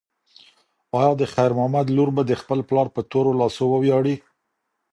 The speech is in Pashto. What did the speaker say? ایا د خیر محمد لور به د خپل پلار په تورو لاسو وویاړي؟